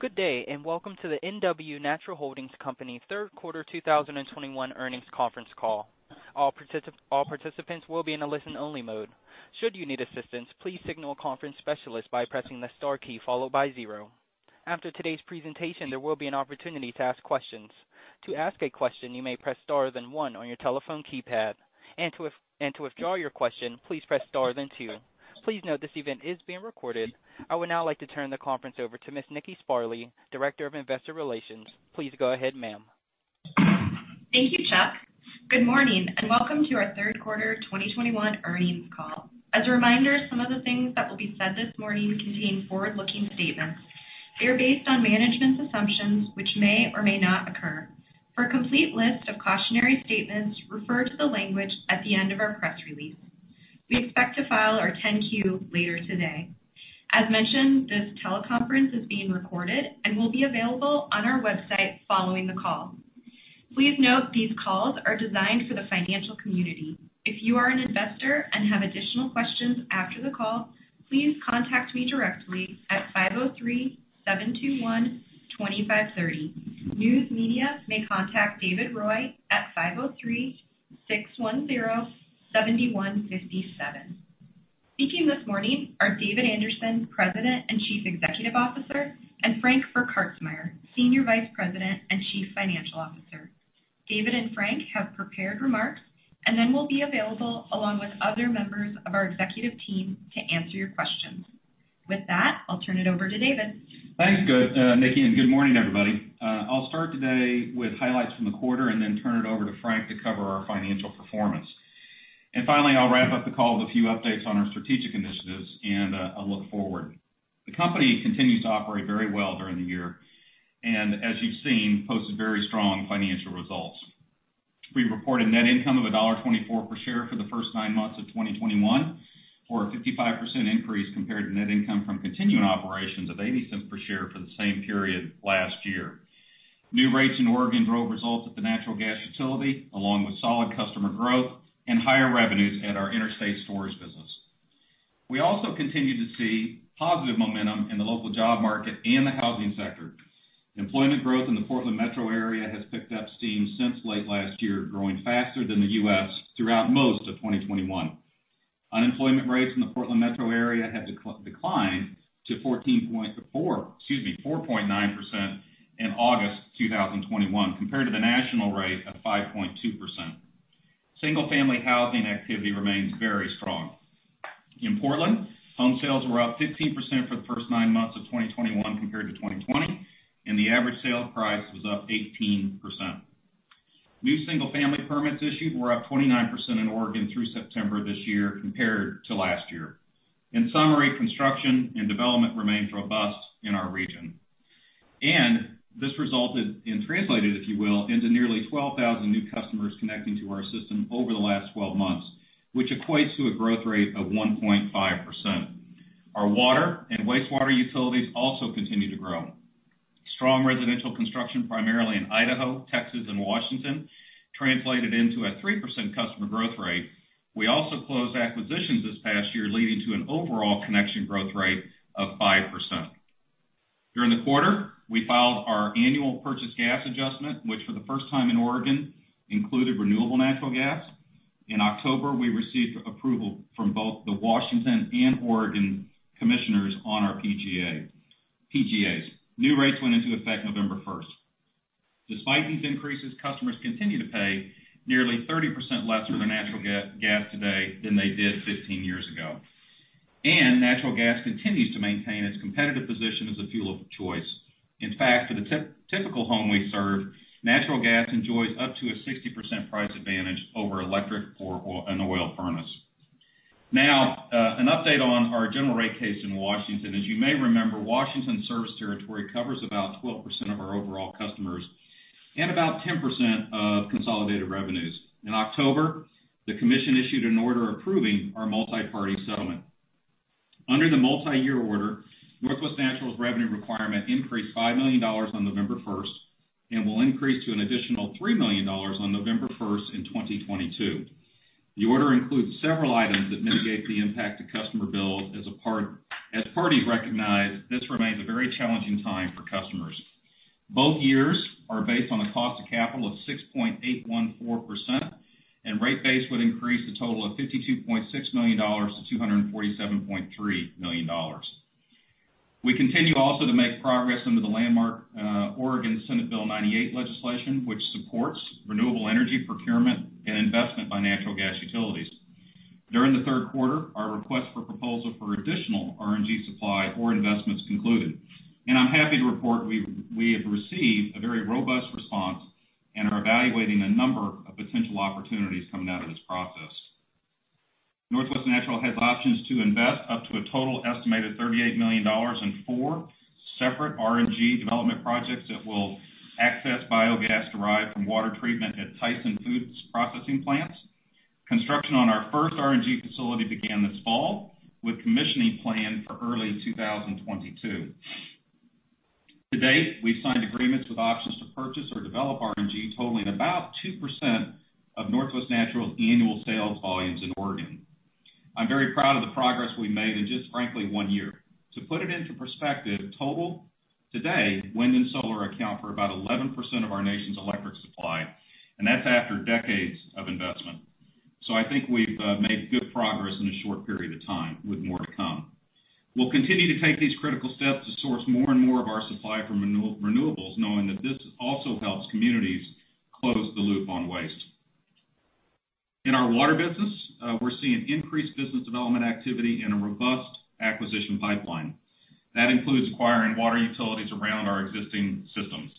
Good day, and welcome to the Northwest Natural Holding Company third quarter 2021 earnings conference call. All participants will be in a listen-only mode. Should you need assistance, please signal a conference specialist by pressing the star key followed by zero. After today's presentation, there will be an opportunity to ask questions. To ask a question, you may press star then one on your telephone keypad. To withdraw your question, please press star then two. Please note this event is being recorded. I would now like to turn the conference over to Miss Nikki Sparley, Director of Investor Relations. Please go ahead, ma'am. Thank you, Chuck. Good morning, and welcome to our third quarter 2021 earnings call. As a reminder, some of the things that will be said this morning contain forward-looking statements. They are based on management's assumptions, which may or may not occur. For a complete list of cautionary statements, refer to the language at the end of our press release. We expect to file our 10-Q later today. As mentioned, this teleconference is being recorded and will be available on our website following the call. Please note these calls are designed for the financial community. If you are an investor and have additional questions after the call, please contact me directly at 503-721-2530. News media may contact David Roy at 503-610-7157. Speaking this morning are David Anderson, President and Chief Executive Officer, and Frank Burkhartsmeyer, Senior Vice President and Chief Financial Officer. David and Frank have prepared remarks and then will be available along with other members of our executive team to answer your questions. With that, I'll turn it over to David. Thanks, Nikki, and good morning, everybody. I'll start today with highlights from the quarter and then turn it over to Frank to cover our financial performance. Finally, I'll wrap up the call with a few updates on our strategic initiatives and a look forward. The company continues to operate very well during the year, and as you've seen, posted very strong financial results. We reported net income of $1.24 per share for the first nine months of 2021 or a 55% increase compared to net income from continuing operations of $0.80 per share for the same period last year. New rates in Oregon drove results at the natural gas utility, along with solid customer growth and higher revenues at our interstate storage business. We also continue to see positive momentum in the local job market and the housing sector. Employment growth in the Portland metro area has picked up steam since late last year, growing faster than the U.S. throughout most of 2021. Unemployment rates in the Portland metro area have declined to 4.9% in August 2021, compared to the national rate of 5.2%. Single-family housing activity remains very strong. In Portland, home sales were up 15% for the first nine months of 2021 compared to 2020, and the average sales price was up 18%. New single-family permits issued were up 29% in Oregon through September this year compared to last year. In summary, construction and development remains robust in our region. This resulted and translated, if you will, into nearly 12,000 new customers connecting to our system over the last 12 months, which equates to a growth rate of 1.5%. Our water and wastewater utilities also continue to grow. Strong residential construction, primarily in Idaho, Texas, and Washington, translated into a 3% customer growth rate. We also closed acquisitions this past year, leading to an overall connection growth rate of 5%. During the quarter, we filed our annual purchase gas adjustment, which for the first time in Oregon, included renewable natural gas. In October, we received approval from both the Washington and Oregon commissioners on our PGAs. New rates went into effect November 1. Despite these increases, customers continue to pay nearly 30% less for their natural gas today than they did 15 years ago. Natural gas continues to maintain its competitive position as a fuel of choice. In fact, for the typical home we serve, natural gas enjoys up to a 60% price advantage over electric or an oil furnace. Now, an update on our general rate case in Washington. As you may remember, Washington service territory covers about 12% of our overall customers and about 10% of consolidated revenues. In October, the commission issued an order approving our multi-party settlement. Under the multi-year order, Northwest Natural's revenue requirement increased $5 million on November 1 and will increase to an additional $3 million on November 1, 2022. The order includes several items that mitigate the impact to customer bills as parties recognize this remains a very challenging time for customers. Both years are based on a cost of capital of 6.814%, and rate base would increase the total of $52.6 million to $247.3 million. We continue also to make progress under the landmark Oregon Senate Bill 98 legislation, which supports renewable energy procurement and investment by natural gas utilities. During the third quarter, our request for proposal for additional RNG supply or investments concluded. I'm happy to report we have received a very robust response and are evaluating a number of potential opportunities coming out of this process. Northwest Natural has options to invest up to a total estimated $38 million in four separate RNG development projects that will access biogas derived from water treatment at Tyson Foods processing plants. Construction on our first RNG facility began this fall, with commissioning planned for early 2022. To date, we've signed agreements with options to purchase or develop RNG totaling about 2% of Northwest Natural's annual sales volumes in Oregon. I'm very proud of the progress we made in just, frankly, one year. To put it into perspective, in total today, wind and solar account for about 11% of our nation's electric supply, and that's after decades of investment. I think we've made good progress in a short period of time with more to come. We'll continue to take these critical steps to source more and more of our supply from renewables, knowing that this also helps communities close the loop on waste. In our water business, we're seeing increased business development activity in a robust acquisition pipeline. That includes acquiring water utilities around our existing systems.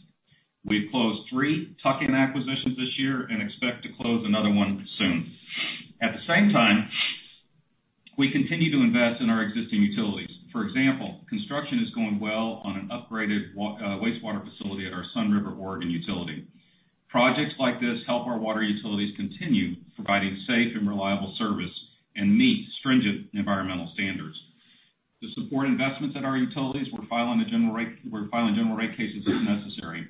We've closed three tuck-in acquisitions this year and expect to close another one soon. At the same time, we continue to invest in our existing utilities. For example, construction is going well on an upgraded wastewater facility at our Sunriver, Oregon utility. Projects like this help our water utilities continue providing safe and reliable service and meet stringent environmental standards. To support investments at our utilities, we're filing general rate cases as necessary.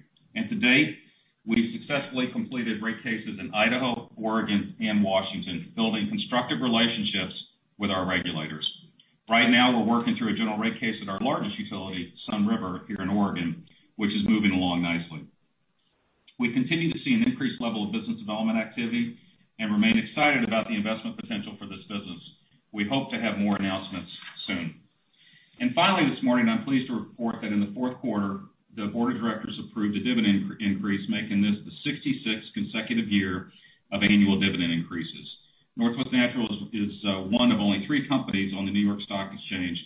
To date, we've successfully completed rate cases in Idaho, Oregon, and Washington, building constructive relationships with our regulators. Right now, we're working through a general rate case at our largest utility, Sunriver, here in Oregon, which is moving along nicely. We continue to see an increased level of business development activity and remain excited about the investment potential for this business. We hope to have more announcements soon. Finally, this morning, I'm pleased to report that in the fourth quarter, the board of directors approved a dividend increase, making this the sixty-sixth consecutive year of annual dividend increases. Northwest Natural is one of only three companies on the New York Stock Exchange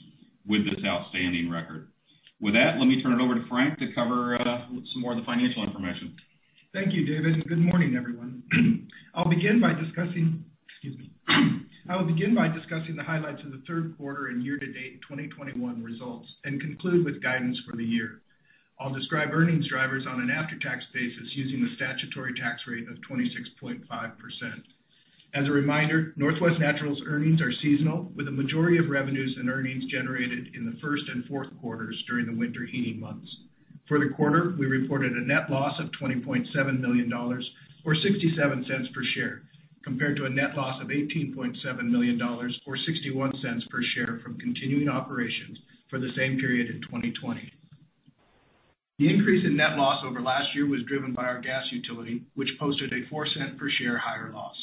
with this outstanding record. With that, let me turn it over to Frank to cover some more of the financial information. Thank you, David. Good morning, everyone. I will begin by discussing the highlights of the third quarter and year-to-date 2021 results and conclude with guidance for the year. I will describe earnings drivers on an after-tax basis using the statutory tax rate of 26.5%. As a reminder, Northwest Natural's earnings are seasonal, with the majority of revenues and earnings generated in the first and fourth quarters during the winter heating months. For the quarter, we reported a net loss of $20.7 million or $0.67 per share, compared to a net loss of $18.7 million or $0.61 per share from continuing operations for the same period in 2020. The increase in net loss over last year was driven by our gas utility, which posted a $0.04 per share higher loss.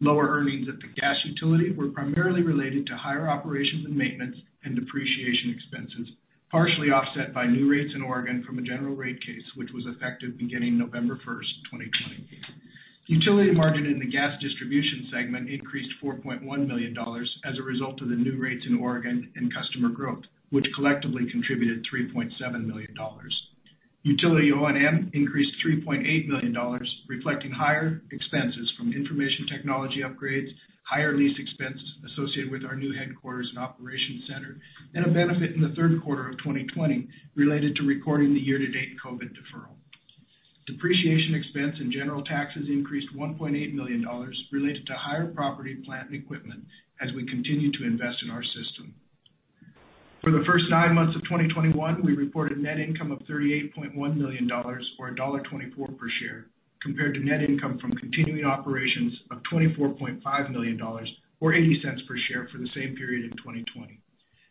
Lower earnings at the gas utility were primarily related to higher operations and maintenance and depreciation expenses, partially offset by new rates in Oregon from a general rate case, which was effective beginning November 1, 2020. Utility margin in the gas distribution segment increased $4.1 million as a result of the new rates in Oregon and customer growth, which collectively contributed $3.7 million. Utility O&M increased $3.8 million, reflecting higher expenses from information technology upgrades, higher lease expenses associated with our new headquarters and operations center, and a benefit in the third quarter of 2020 related to recording the year-to-date COVID deferral. Depreciation expense and general taxes increased $1.8 million related to higher property, plant, and equipment as we continue to invest in our system. For the first nine months of 2021, we reported net income of $38.1 million or $1.24 per share, compared to net income from continuing operations of $24.5 million or $0.80 per share for the same period in 2020.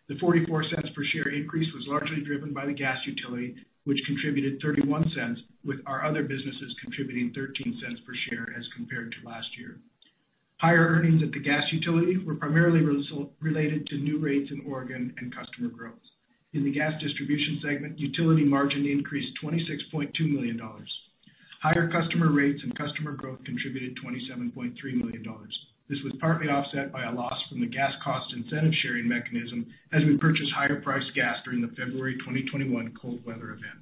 The $0.44 per share increase was largely driven by the gas utility, which contributed $0.31, with our other businesses contributing $0.13 per share as compared to last year. Higher earnings at the gas utility were primarily related to new rates in Oregon and customer growth. In the gas distribution segment, utility margin increased $26.2 million. Higher customer rates and customer growth contributed $27.3 million. This was partly offset by a loss from the gas cost incentive-sharing mechanism as we purchased higher-priced gas during the February 2021 cold weather event.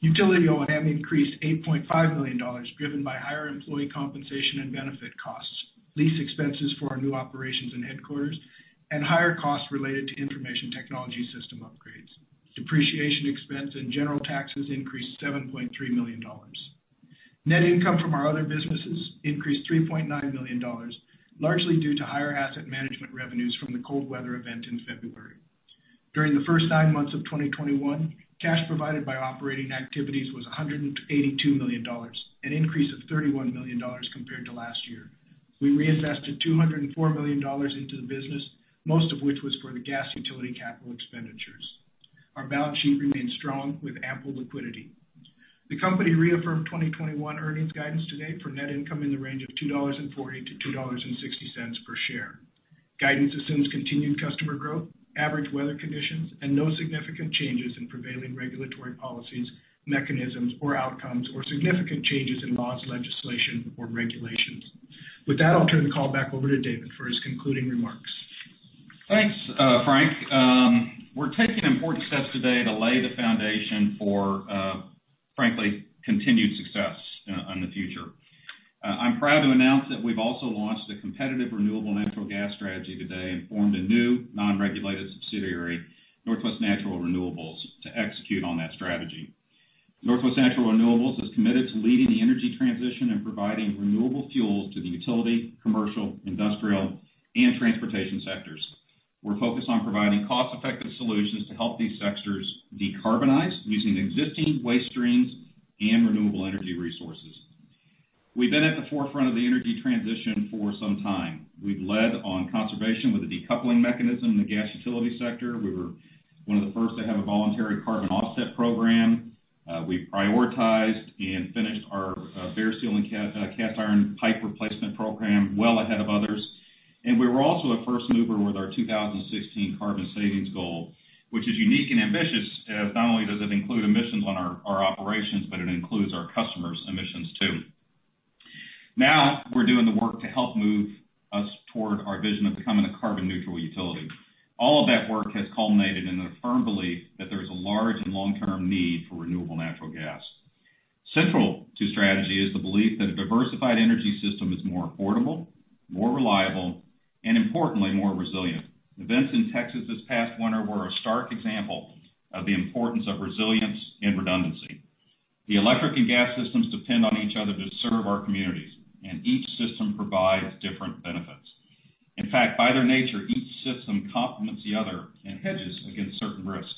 Utility O&M increased $8.5 million, driven by higher employee compensation and benefit costs, lease expenses for our new operations and headquarters, and higher costs related to information technology system upgrades. Depreciation expense and general taxes increased $7.3 million. Net income from our other businesses increased $3.9 million, largely due to higher asset management revenues from the cold weather event in February. During the first nine months of 2021, cash provided by operating activities was $182 million, an increase of $31 million compared to last year. We reinvested $204 million into the business, most of which was for the gas utility capital expenditures. Our balance sheet remains strong with ample liquidity. The company reaffirmed 2021 earnings guidance today for net income in the range of $2.40-$2.60 per share. Guidance assumes continued customer growth, average weather conditions, and no significant changes in prevailing regulatory policies, mechanisms, or outcomes, or significant changes in laws, legislation, or regulations. With that, I'll turn the call back over to David for his concluding remarks. Thanks, Frank. We're taking important steps today to lay the foundation for frankly, continued success in the future. I'm proud to announce that we've also launched a competitive renewable natural gas strategy today and formed a new non-regulated subsidiary, Northwest Natural Renewables, to execute on that strategy. Northwest Natural Renewables is committed to leading the energy transition and providing renewable fuels to the utility, commercial, industrial, and transportation sectors. We're focused on providing cost-effective solutions to help these sectors decarbonize using existing waste streams and renewable energy resources. We've been at the forefront of the energy transition for some time. We've led on conservation with a decoupling mechanism in the gas utility sector. We were one of the first to have a voluntary carbon offset program. We prioritized and finished our bare steel and cast iron pipe replacement program well ahead of others. We were also a first mover with our 2016 carbon savings goal, which is unique and ambitious, as not only does it include emissions on our operations, but it includes our customers' emissions too. Now we're doing the work to help move us toward our vision of becoming a carbon neutral utility. All of that work has culminated in the firm belief that there's a large and long-term need for renewable natural gas. Central to strategy is the belief that a diversified energy system is more affordable, more reliable, and importantly, more resilient. Events in Texas this past winter were a stark example of the importance of resilience and redundancy. The electric and gas systems depend on each other to serve our communities, and each system provides different benefits. In fact, by their nature, each system complements the other and hedges against certain risks.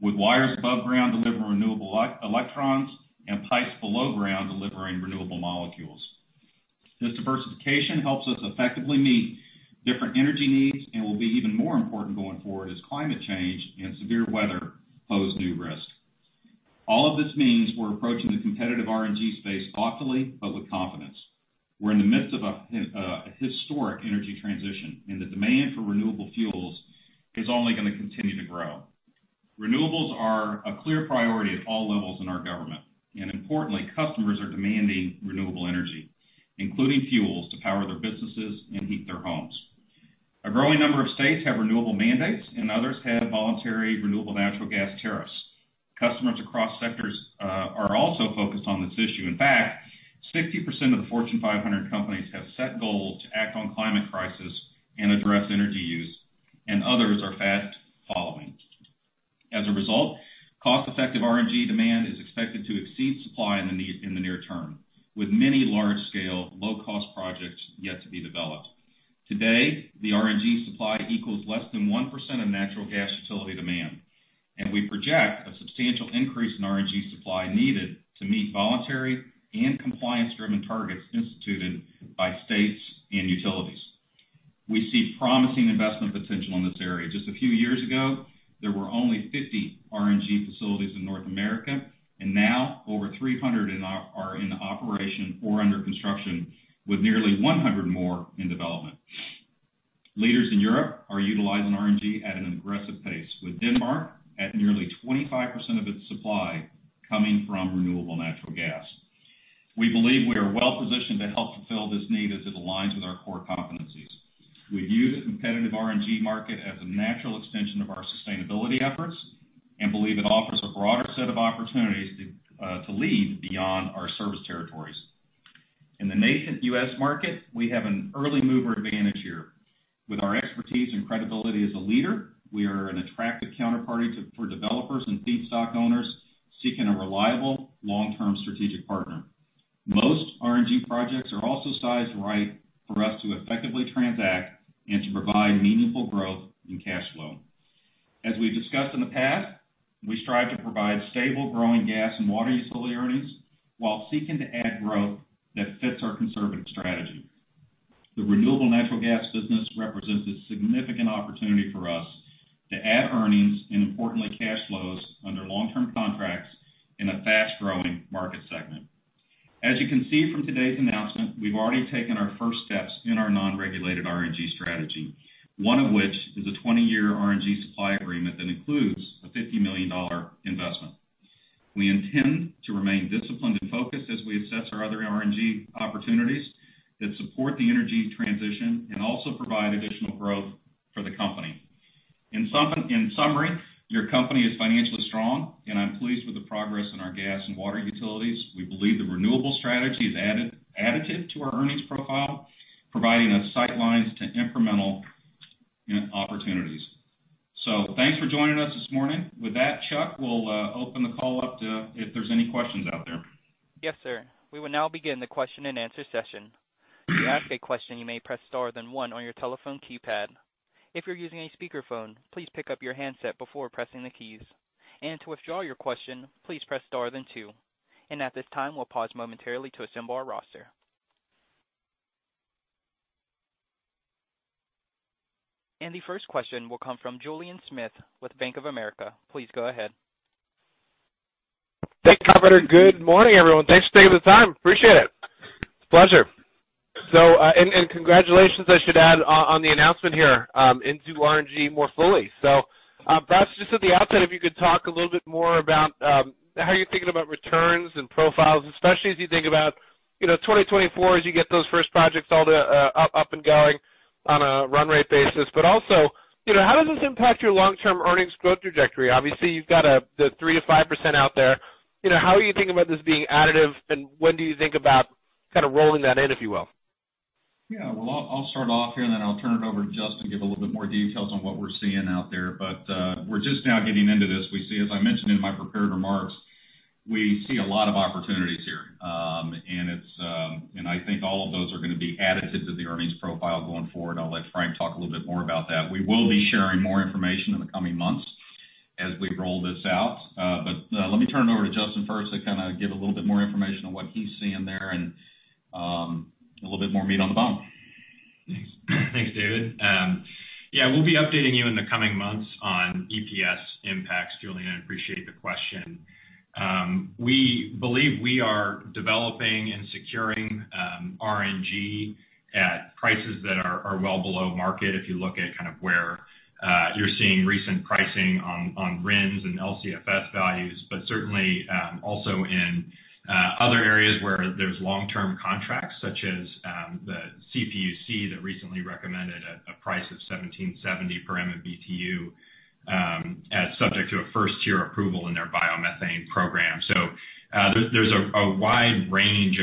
With wires above ground delivering renewable electrons and pipes below ground delivering renewable molecules. This diversification helps us effectively meet different energy needs and will be even more important going forward as climate change and severe weather pose new risks. All of this means we're approaching the competitive RNG space thoughtfully, but with confidence. We're in the midst of a historic energy transition, and the demand for renewable fuels is only going to continue to grow. Renewables are a clear priority at all levels in our government. Importantly, customers are demanding renewable energy, including fuels to power their businesses and heat their homes. A growing number of states have renewable mandates and others have voluntary renewable natural gas tariffs. Customers across sectors are also focused on this issue. In fact, 60% of the Fortune 500 companies have set goals to act on climate crisis and address energy use, and others are fast following. As a result, cost-effective RNG demand is expected to exceed supply in the near term, with many large scale, low cost projects yet to be developed. Today, the RNG supply equals less than 1% of natural gas utility demand, and we project a substantial increase in RNG supply needed to meet voluntary and compliance-driven targets instituted by states and utilities. We see promising investment potential in this area. Just a few years ago, there were only 50 RNG facilities in North America, and now over 300 are in operation or under construction, with nearly 100 more in development. Leaders in Europe are utilizing RNG at an aggressive pace, with Denmark at nearly 25% of its supply coming from renewable natural gas. We believe we are well positioned to help fulfill this need as it aligns with our core competencies. We view the competitive RNG market as a natural extension of our sustainability efforts and believe it offers a broader set of opportunities to lead beyond our service territories. In the U.S. market, we have an early mover advantage here. With our expertise and credibility as a leader, We believe the renewable strategy is additive to our earnings profile, providing us sightlines to incremental opportunities. Thanks for joining us this morning. With that, Chuck, we'll open the call up to if there's any questions out there. Yes, sir. We will now begin the question-and-answer session. To ask a question, you may press star then one on your telephone keypad. If you're using a speakerphone, please pick up your handset before pressing the keys. To withdraw your question, please press star then two. At this time, we'll pause momentarily to assemble our roster. The first question will come from Julien Dumoulin-Smith with Bank of America. Please go ahead. Thanks, operator. Good morning, everyone. Thanks for taking the time. Appreciate it. Pleasure. And congratulations, I should add, on the announcement here, into RNG more fully. Perhaps just at the outset, if you could talk a little bit more about how you're thinking about returns and profiles, especially as you think about, you know, 2024 as you get those first projects all the up and going on a run rate basis. But also, you know, how does this impact your long-term earnings growth trajectory? Obviously, you've got the 3%-5% out there. You know, how are you thinking about this being additive, and when do you think about kind of rolling that in, if you will? Yeah. Well, I'll start off here and then I'll turn it over to Justin to give a little bit more details on what we're seeing out there. We're just now getting into this. We see, as I mentioned in my prepared remarks, we see a lot of opportunities here. I think all of those are gonna be additive to the earnings profile going forward. I'll let Frank talk a little bit more about that. We will be sharing more information in the coming months as we roll this out. Let me turn it over to Justin first to kinda give a little bit more information on what he's seeing there and a little bit more meat on the bone. Thanks. Thanks, David. Yeah, we'll be updating you in the coming months on EPS impacts. Julian, I appreciate the question. We believe we are developing and securing RNG at prices that are well below market if you look at kind of where you're seeing recent pricing on RINs and LCFS values, but certainly also in other areas where there's long-term contracts, such as the CPUC that recently recommended a price of $17.70 per MMBtu as subject to a first-tier approval in their biomethane program. There's a wide range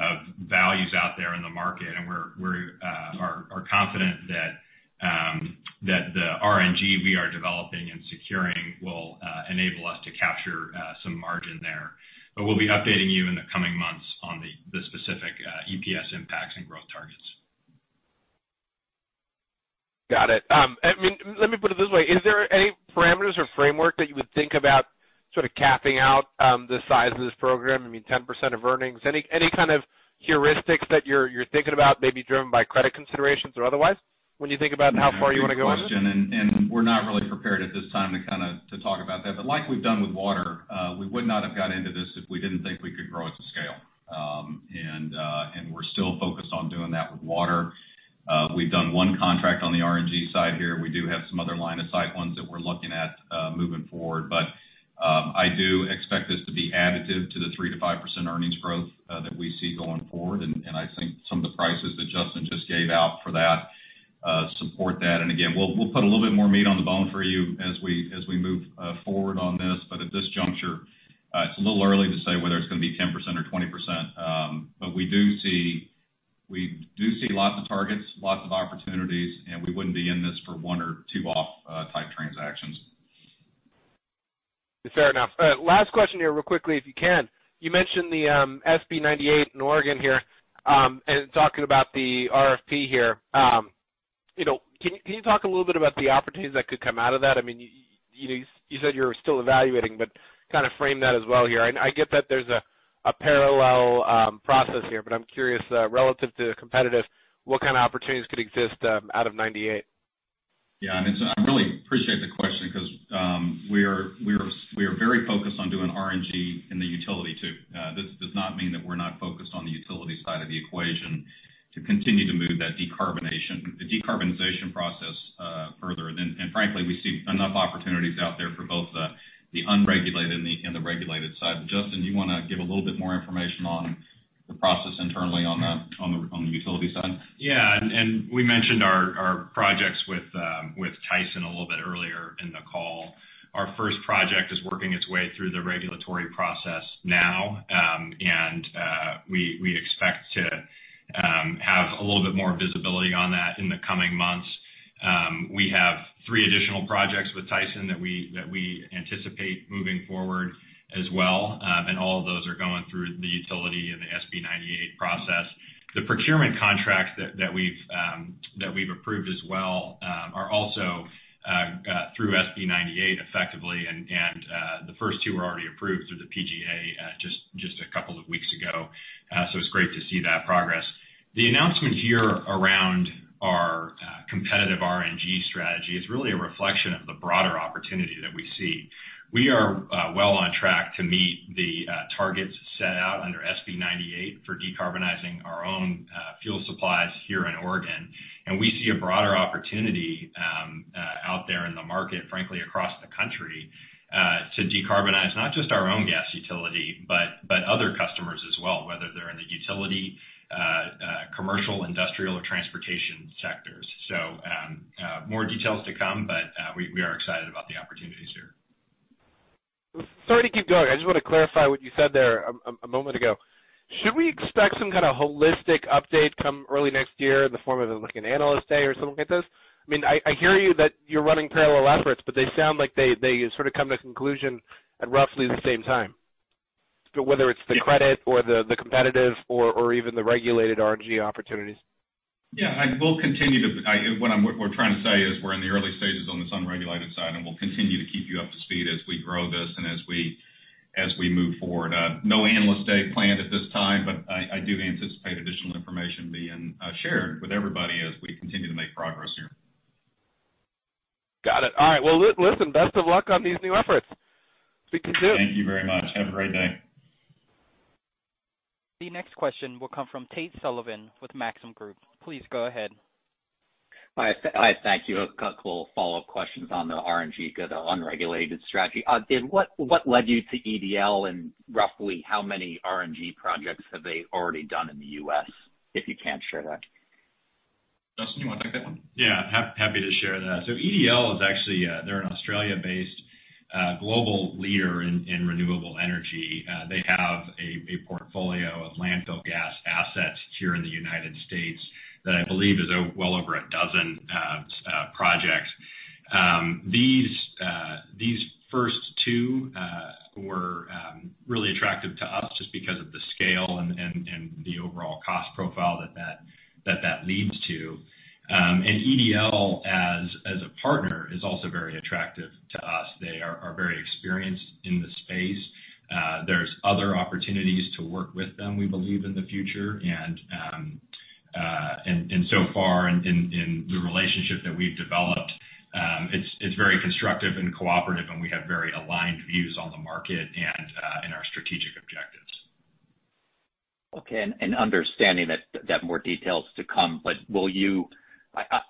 of values out there in the market, and we are confident that the RNG we are developing and securing will enable us to capture some margin there. We'll be updating you in the coming months on the specific EPS impacts and growth targets. Got it. I mean, let me put it this way. Is there any parameters or framework that you would think about sort of capping out, the size of this program? I mean, 10% of earnings. Any kind of heuristics that you're thinking about, maybe driven by credit considerations or otherwise, when you think about how far you wanna go on this? Yeah. Great question. We're not really prepared at this time to talk about that. Like we've done with water, we would not have got into this if we didn't think we could grow it to scale. We're still focused on doing that with water. We've done one contract on the RNG side here. We do have some other line of sight ones that we're looking at moving forward. I do expect this to be additive to the 3%-5% earnings growth that we see going forward. I think some of the prices that Justin just gave out for that support that. Again, we'll put a little bit more meat on the bone for you as we move forward on this. At this juncture, it's a little early to say whether it's gonna be 10% or 20%. We do see lots of targets, lots of opportunities, and we wouldn't be in this for one or two off type transactions. It's fair enough. Last question here really quickly, if you can. You mentioned the SB 98 in Oregon here, and talking about the RFP here. You know, can you talk a little bit about the opportunities that could come out of that? I mean, you know, you said you're still evaluating, but kinda frame that as well here. I get that there's a parallel process here, but I'm curious, relative to the competitive, what kind of opportunities could exist out of 98? I really appreciate the question 'cause we are very focused on doing RNG in the utility too. This does not mean that we're not focused on the utility side of the equation to continue to move that decarbonization process further. Frankly, we see enough opportunities out there for both the unregulated and the regulated side. Justin, do you wanna give a little bit more information on the process internally on the utility side? Yeah. We mentioned our projects with Tyson a little bit earlier in the call. Our first project is working its way through the regulatory process now, and we expect to have a little bit more visibility on that in the coming months. We have three additional projects with Tyson that we anticipate moving forward as well. All of those are going through the utility and the SB 98 process. The procurement contracts that we've approved as well are also through SB 98 effectively. The first two were already approved through the PGA just a couple of weeks ago. It's great to see that progress. The announcement here around our competitive RNG strategy is really a reflection of the broader opportunity that we see. We are well on track to meet the targets set out under SB 98 for decarbonizing our own fuel supplies here in Oregon. We see a broader opportunity out there in the market, frankly, across the country, to decarbonize not just our own gas utility, but other customers as well, whether they're in the utility commercial, industrial or transportation sectors. More details to come, but we are excited about the opportunities here. Sorry to keep going. I just wanna clarify what you said there a moment ago. Should we expect some kinda holistic update come early next year in the form of, like, an analyst day or something like this? I mean, I hear you that you're running parallel efforts, but they sound like they sort of come to conclusion at roughly the same time. Whether it's the credit or the competitive or even the regulated RNG opportunities. Yeah. We're trying to say is we're in the early stages on this unregulated side, and we'll continue to keep you up to speed as we grow this and as we move forward. No analyst day planned at this time, but I do anticipate additional information being shared with everybody as we continue to make progress here. Got it. All right. Well, listen, best of luck on these new efforts. Speak to you soon. Thank you very much. Have a great day. The next question will come from Tate Sullivan with Maxim Group. Please go ahead. Hi. Thank you. A couple follow-up questions on the RNG, the unregulated strategy. What led you to EDL, and roughly how many RNG projects have they already done in the U.S., if you can share that? Justin, you wanna take that one? Yeah. Happy to share that. EDL is actually they're an Australia-based global leader in renewable energy. They have a portfolio of landfill gas assets here in the United States that I believe is well over 12 projects. These first two were really attractive to us just because of the scale and the overall cost profile that leads to. EDL as a partner is also very attractive to us. They are very experienced in the space. There's other opportunities to work with them, we believe in the future. So far in the relationship that we've developed, it's very constructive and cooperative, and we have very aligned views on the market and in our strategic objectives. Okay. Understanding that more detail is to come, but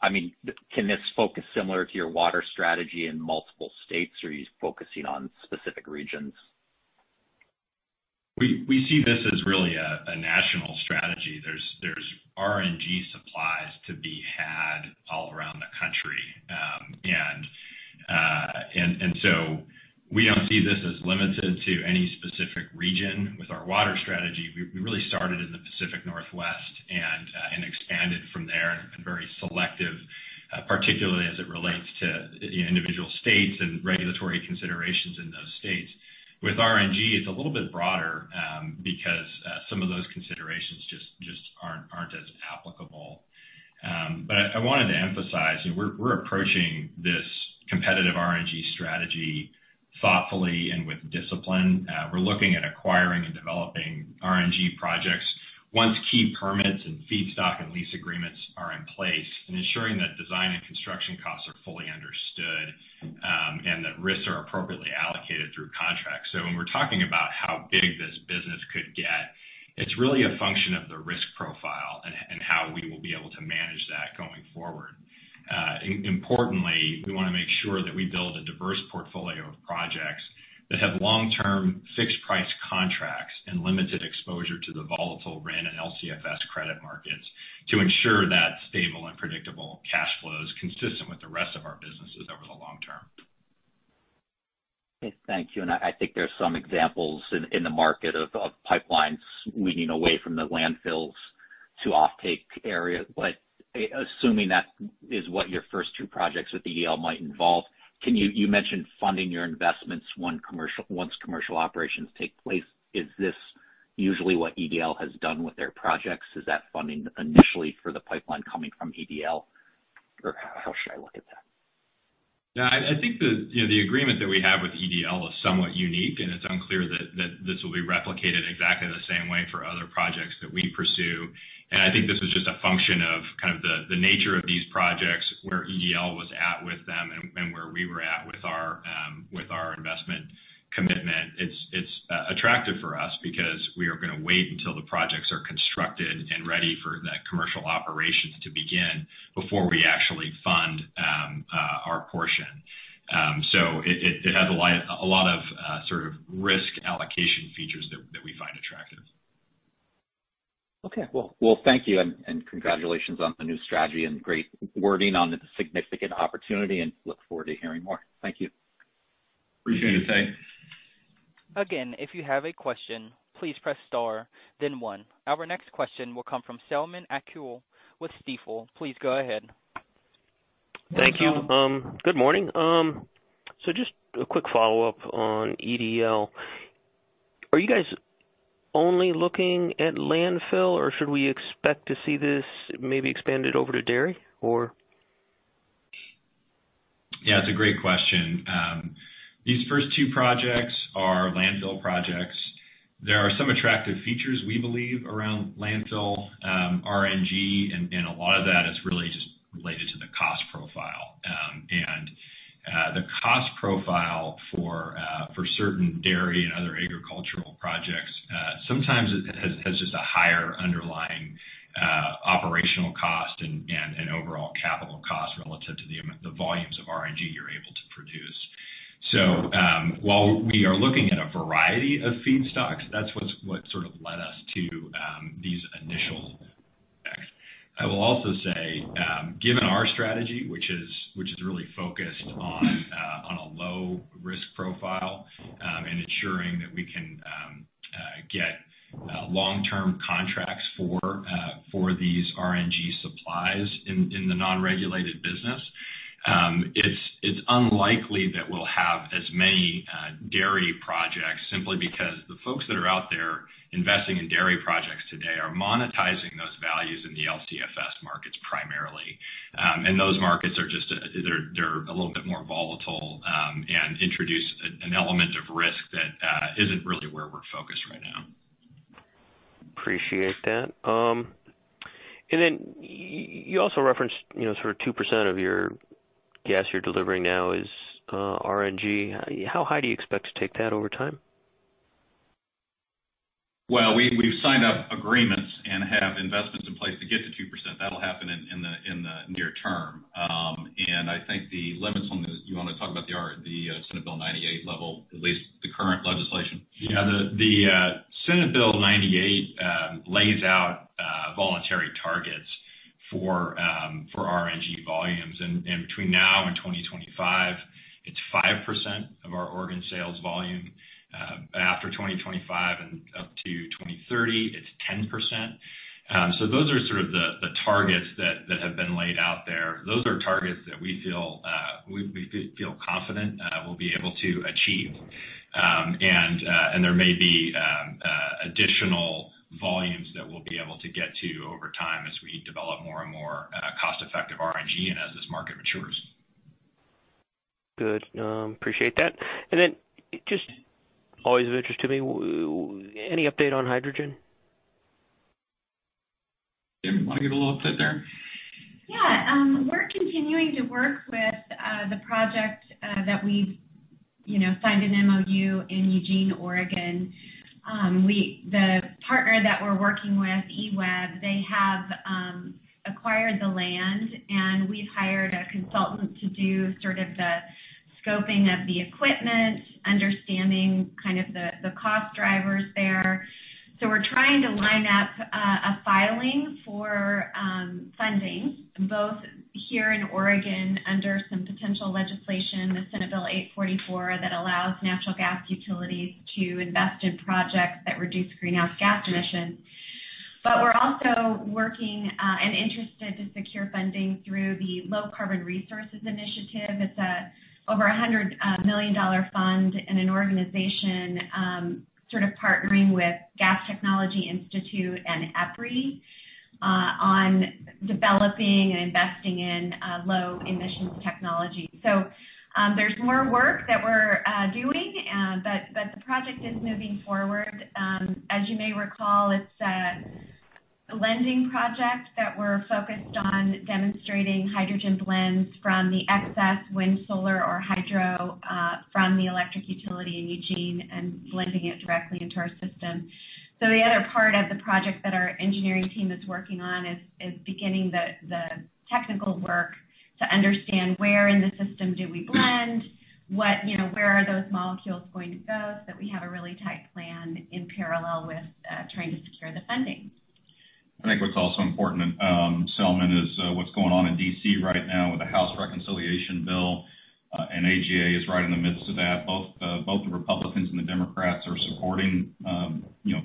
I mean, can this focus similar to your water strategy in multiple states or are you focusing on specific regions? We see this as really a national strategy. There's RNG supplies to be had all around the country. We don't see this as limited to any specific region. With our water strategy, we really started in the Pacific Northwest and expanded from there and been very selective, particularly as it relates to individual states and regulatory considerations in those states. With RNG, it's a little bit broader, because some of those considerations just aren't as applicable. I wanted to emphasize that we're approaching this competitive RNG strategy thoughtfully and with discipline. We're looking at acquiring and developing RNG projects once key permits and feedstock and lease agreements are in place, and ensuring that design and construction costs are fully understood, and that risks are appropriately allocated through contracts. When we're talking about how big this business could get, it's really a function of the risk profile and how we will be able to manage that going forward. Importantly, we wanna make sure that we build a diverse portfolio of projects that have long-term fixed price contracts and limited exposure to the volatile RIN and LCFS credit markets to ensure that stable and predictable cash flows consistent with the rest of our businesses over the long term. Okay. Thank you. I think there's some examples in the market of pipelines leading away from the landfills to offtake area. Assuming that is what your first two projects with EDL might involve, can you. You mentioned funding your investments once commercial operations take place. Is this usually what EDL has done with their projects? Is that funding initially for the pipeline coming from EDL? Or how should I look at that? No, I think the, you know, the agreement that we have with EDL is somewhat unique, and it's unclear that this will be replicated exactly the same way for other projects that we pursue. I think this is just a function of kind of the nature of these projects, where EDL was at with them and where we were at with our investment commitment. It's attractive for us because we are gonna wait until the projects are constructed and ready for the commercial operations to begin before we actually fund our portion. So it has a lot of sort of risk allocation features that we find attractive. Okay. Well, thank you and congratulations on the new strategy and great wording on the significant opportunity and look forward to hearing more. Thank you. Appreciate it, thanks. Again, if you have a question, please press star then one. Our next question will come from Selman Akyol with Stifel. Please go ahead. Thank you. Good morning. Just a quick follow-up on EDL. Are you guys only looking at landfill, or should we expect to see this maybe expanded over to dairy or? Yeah, it's a great question. These first two projects are landfill projects. There are some attractive features we believe around landfill, RNG, and a lot of that is really just related to the cost profile. The cost profile for certain dairy and other agricultural projects sometimes has just a higher underlying operational cost and an overall capital cost relative to the volumes of RNG you're able to produce. While we are looking at a variety of feedstocks, that's what's sort of led us to these initial projects. I will also say, given our strategy, which is really Well, we've signed up agreements and have investments in place to get to 2%. That'll happen in the near term. Do you wanna talk about the Senate Bill 98 level, at least the current legislation? Yeah. The Senate Bill 98 lays out voluntary targets for RNG volumes in between now and 2025. 5% of our Oregon sales volume after 2025 and up to 2030, it's 10%. Those are sort of the targets that have been laid out there. Those are targets that we feel confident we'll be able to achieve. There may be additional volumes that we'll be able to get to over time as we develop more and more cost-effective RNG and as this market matures. Good. I appreciate that. Just always of interest to me, any update on hydrogen? Kim, wanna get a little update there? Yeah. We're continuing to work with the project that we've, you know, signed an MOU in Eugene, Oregon. The partner that we're working with, EWEB, they have acquired the land, and we've hired a consultant to do sort of the scoping of the equipment, understanding kind of the cost drivers there. We're trying to line up a filing for funding, both here in Oregon under some potential legislation, the Senate Bill 844, that allows natural gas utilities to invest in projects that reduce greenhouse gas emissions. We're also working and interested to secure funding through the Low-Carbon Resources Initiative. It's over a $100 million fund in an organization sort of partnering with Gas Technology Institute and EPRI on developing and investing in low emission technology. There's more work that we're doing, but the project is moving forward. As you may recall, it's a blending project that we're focused on demonstrating hydrogen blends from the excess wind, solar, or hydro from the electric utility in Eugene and blending it directly into our system. The other part of the project that our engineering team is working on is beginning the technical work to understand where in the system do we blend, you know, where are those molecules going to go, so that we have a really tight plan in parallel with trying to secure the funding. I think what's also important, Selman, is what's going on in D.C. right now with the House Reconciliation Bill, and AGA is right in the midst of that. Both the Republicans and the Democrats are supporting, you know,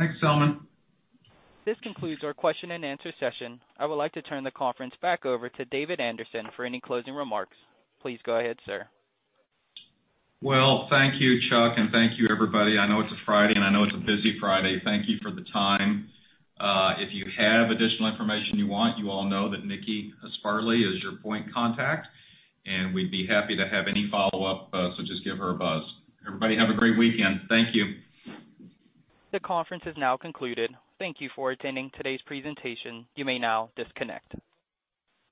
Thanks, Selman. This concludes our question and answer session. I would like to turn the conference back over to David Anderson for any closing remarks. Please go ahead, sir. Well, thank you, Chuck, and thank you everybody. I know it's a Friday, and I know it's a busy Friday. Thank you for the time. If you have additional information you want, you all know that Nikki Sparley is your point contact, and we'd be happy to have any follow-up, so just give her a buzz. Everybody have a great weekend. Thank you. The conference is now concluded. Thank you for attending today's presentation. You may now disconnect.